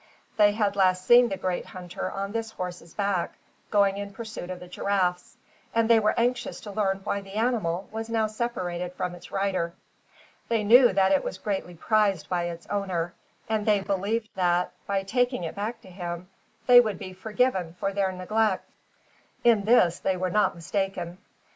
They had last seen the great hunter on this horse's back, going in pursuit of the giraffes; and they were anxious to learn why the animal was now separated from its rider. They knew that it was greatly prized by its owner, and they believed that, by taking it back to him, they would be forgiven for their neglect. In this, they were not mistaken.